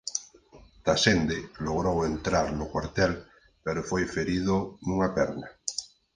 Tasende logrou entrar no cuartel pero foi ferido nunha perna.